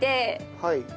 はい。